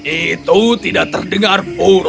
itu tidak terdengar puro